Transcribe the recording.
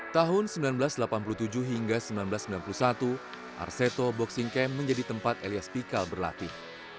tahun seribu sembilan ratus delapan puluh tujuh hingga seribu sembilan ratus sembilan puluh satu arseto boxing camp menjadi tempat elias pikal berlatih